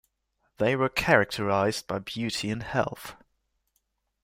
They were characterized by beauty and health.